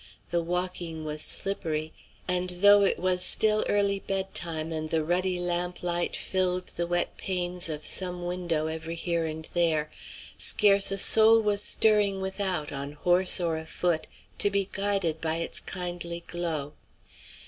The walking was slippery; and though it was still early bedtime and the ruddy lamp light filled the wet panes of some window every here and there, scarce a soul was stirring without, on horse or afoot, to be guided by its kindly glow.